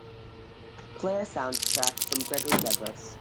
Play a sound track from Gregory Douglass.